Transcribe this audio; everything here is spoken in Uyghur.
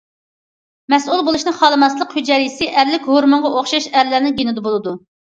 مەسئۇل بولۇشنى خالىماسلىق ھۈجەيرىسى ئەرلىك ھورمۇنغا ئوخشاش ئەرلەرنىڭ گېنىدا بولىدۇ.